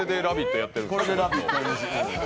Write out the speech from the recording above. やってる。